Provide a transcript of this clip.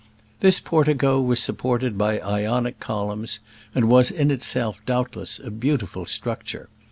This portico was supported by Ionic columns, and was in itself doubtless a beautiful structure.